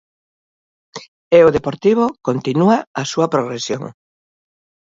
E o Deportivo continúa a súa progresión.